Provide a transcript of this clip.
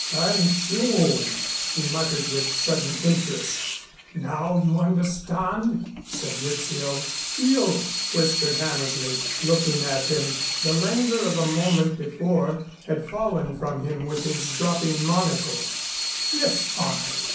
"By Jove," he muttered, with sudden interest. "Now you understand?" said Rizzio. "You!" whispered Hammersley, looking at him. The languor of a moment before had fallen from him with his dropping monocle. "Yes, I.